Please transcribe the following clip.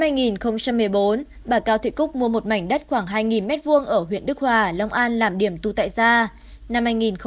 năm hai nghìn một mươi bốn bà cao thị cúc mua một mảnh đất khoảng hai m hai ở huyện đức hòa long an làm điểm tù tại gia